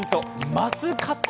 マスカット？